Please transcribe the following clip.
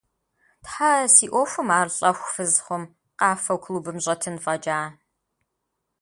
Тхьэ, си ӏуэхум ар лӏэху фыз хъум, къафэу клубым щӏэтын фӏэкӏа…